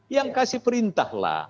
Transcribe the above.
yang kasih perintahlah